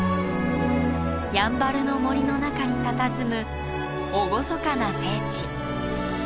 やんばるの森の中にたたずむ厳かな聖地。